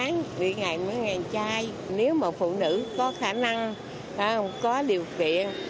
nếu mà phụ nữ có khả năng có điều kiện